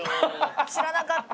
知らなかった。